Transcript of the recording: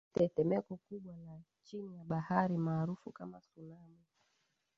tetemeko kubwa la chini ya bahari maarufu kama tsunami